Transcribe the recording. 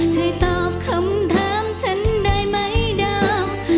ช่วยตอบคำถามฉันได้ไหมดาว